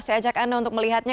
saya ajak anda untuk melihatnya